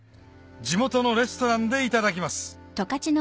地元のレストランでいただきます